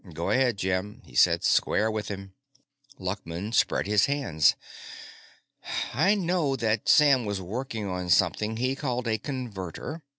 "Go ahead, Jim," he said, "square with him." Luckman spread his hands. "I know that Sam was working on something he called a Converter.